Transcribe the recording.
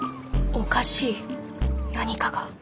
おかしい。何かが。